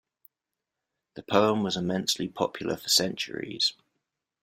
The poem was immensely popular for centuries.